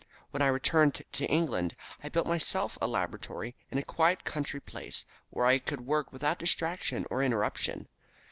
When I returned to England I built myself a laboratory in a quiet country place where I could work without distraction or interruption.